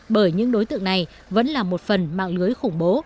bởi những đối tượng này vẫn là một phần mạng lưới khủng bố